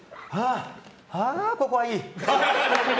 ああ、ここはいい。